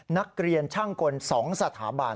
นักเรียนช่างกล๒สถาบัน